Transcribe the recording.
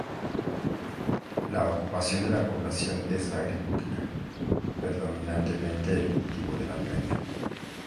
La ocupación de la población es la agricultura, predominando el cultivo del almendro.